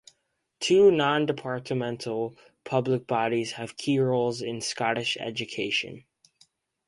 Two non-departmental public bodies have key roles in Scottish education.